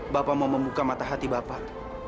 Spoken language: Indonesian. bapak mau membuka mata hati bapak